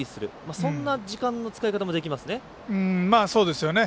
そんな時間の使い方もできますね。